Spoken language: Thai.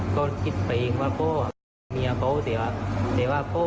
ก็คิดไปเองว่าเมียเขาเสียวะ